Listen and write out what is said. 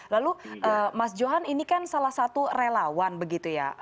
lalu mas johan ini kan salah satu relawan begitu ya